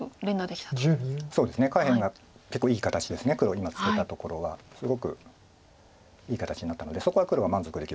今ツケたところはすごくいい形になったのでそこは黒が満足できるところです。